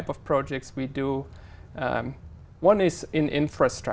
phát triển đối với nhau